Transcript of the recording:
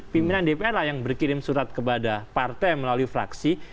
pimpinan dpr lah yang berkirim surat kepada partai melalui fraksi